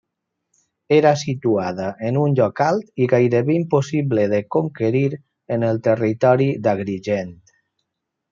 Era situada en un lloc alt i gairebé impossible de conquerir en el territori d'Agrigent.